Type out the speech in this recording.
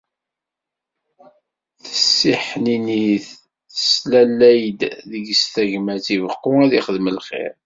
Tessiḥninit, teslalay-d deg-s tagmat, ibeqqu ad ixdem lxir.